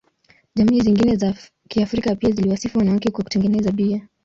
Jamii zingine za Kiafrika pia ziliwasifu wanawake kwa kutengeneza bia.